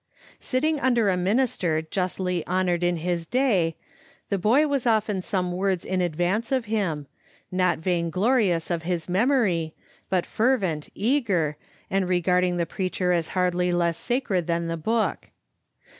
Sitting under a min ister justly honoured in his day, the boy was often some words in advance of him, not vainglorious of his mem ory, but fervent, eager, and regarding the preacher as hardly less sacred than the Book.